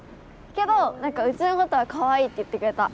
けどなんかうちのことはかわいいって言ってくれた。